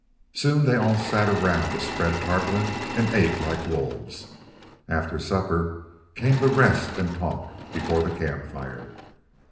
Soon they all sat round a spread tarpaulin and ate like wolves. After supper came the rest and talk before the camp fire.